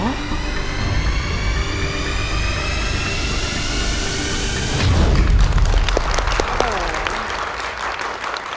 ก็ไหวจริงไหม